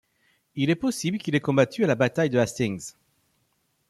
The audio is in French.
Il est possible qu'il ait combattu à la bataille de Hastings.